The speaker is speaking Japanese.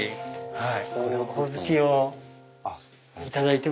はい。